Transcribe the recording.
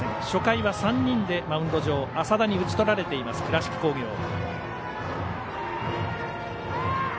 初回は３人でマウンド上の麻田に打ち取られた倉敷工業。